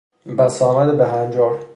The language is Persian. بسامد بهنجار